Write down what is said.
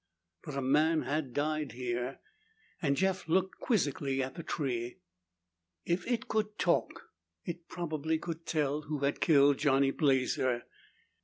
But a man had died here, and Jeff looked quizzically at the tree. If it could talk, it probably could tell who had killed Johnny Blazer.